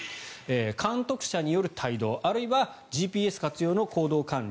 監督者による帯同あるいはＧＰＳ活用の行動管理。